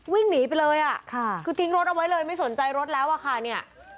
วิ่งหนีไปเลยอ่ะค่ะคือทิ้งรถเอาไว้เลยไม่สนใจรถแล้วอะค่ะเนี่ย